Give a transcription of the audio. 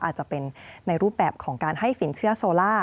อาจจะเป็นในรูปแบบของการให้สินเชื่อโซล่า